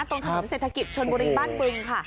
ตรงถนนเศรษฐกิจชนบุรีบ้านบึงค่ะ